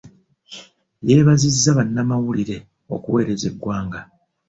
Yeebazizza bannamawulire okuweereza eggwanga.